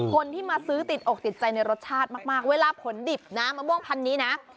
คนที่มาซื้อติดอกติดใจในรสชาติมากเวลาผลดิบนะมะม่วงพันนี้นะ